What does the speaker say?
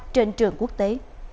trên trường quốc tế